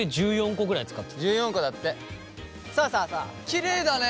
きれいだね。